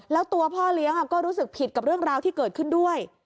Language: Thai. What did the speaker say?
แล้วตัวพ่อเลี้ยงก็รู้สึกผิดกับเรื่องราวที่เกิดขึ้นด้วย